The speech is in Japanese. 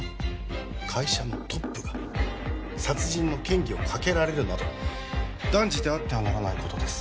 会社のトップが殺人の嫌疑をかけられるなど断じてあってはならないことです